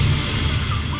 kami akan segini kembali